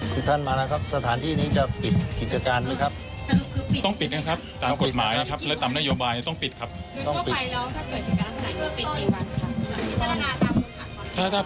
คุณท่านมาแล้วครับสถานที่นี้จะปิดกิจการมั้ยครับ